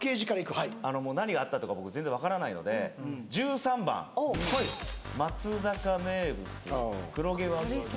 はい何があったとか僕全然分からないので１３番松阪名物黒毛和牛